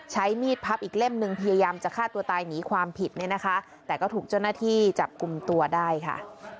ใช้มีดพับอีกเล่มหนึ่งพยายามจะฆ่าตัวตายหนีความผิดเนี่ยนะคะแต่ก็ถูกเจ้าหน้าที่จับกลุ่มตัวได้ค่ะ